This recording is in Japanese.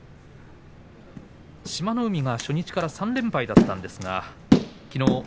志摩ノ海、初日から３連敗だったんですがきのう